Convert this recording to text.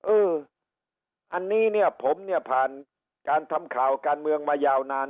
เอออันนี้เนี่ยผมเนี่ยผ่านการทำข่าวการเมืองมายาวนาน